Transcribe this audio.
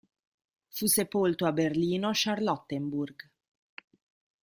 Fu sepolto a Berlino-Charlottenburg.